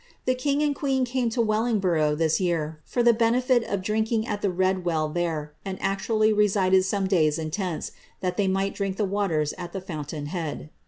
The king and queen came to Wellingborough this year for the benefit of drinking at the Red Well there, and actually resided some days in tents, that they might dnnk the waters at the fountain head.